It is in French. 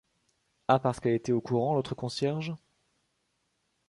Ah parce qu’elle était au courant, l’autre concierge ?